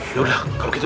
yaudah kalau gitu